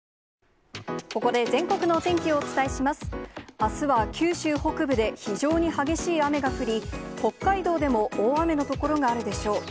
あすは九州北部で非常に激しい雨が降り、北海道でも大雨の所があるでしょう。